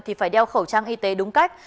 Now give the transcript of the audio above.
thì phải đeo khẩu trang y tế đúng cách